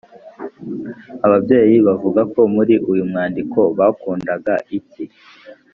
Ababyeyi bavuga ko muri uyu mwandiko bakundaga iki?